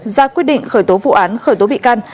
ra quyết định khởi tố vụ án khởi tố bị can